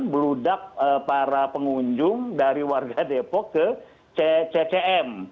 beludak para pengunjung dari warga depok ke ccm